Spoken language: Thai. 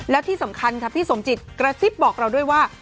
และที่สำคัญค่ะพี่สมจิตกระซิบบอกเราด้วยว่า